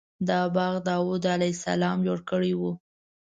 دا باغ داود علیه السلام جوړ کړی و.